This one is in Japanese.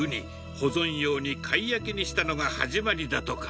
保存用に貝焼きにしたのが始まりだとか。